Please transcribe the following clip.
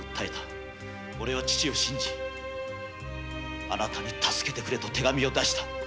オレは父を信じあなたに助けてくれと手紙を出した。